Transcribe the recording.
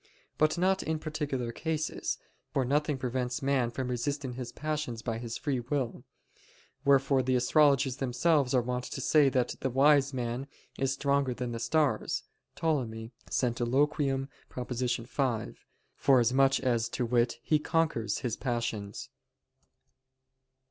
But not in particular cases; for nothing prevents man resisting his passions by his free will. Wherefore the astrologers themselves are wont to say that "the wise man is stronger than the stars" [*Ptolemy, Centiloquium, prop. 5], forasmuch as, to wit, he conquers his passions.